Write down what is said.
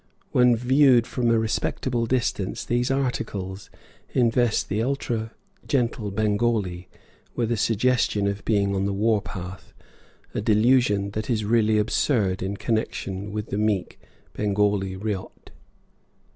When viewed from a respectable distance these articles invest the ultra gentle Bengali with a suggestion of being on the war path, a delusion that is really absurd in connection with the meek Bengali ryot.